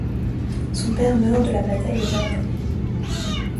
Son père meurt lors de la bataille de Verdun.